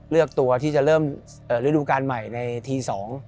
เลือกตัวที่จะเริ่มฤดูการใหม่ในที๒